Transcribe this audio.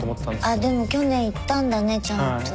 あっでも去年行ったんだねちゃんと。